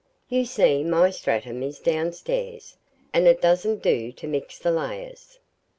You see, my stratum is down stairs, and it doesn't do to mix the layers.